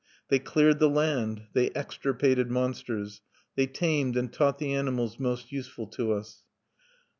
They cleared the land; they extirpated monsters; they tamed and taught the animals most useful to us.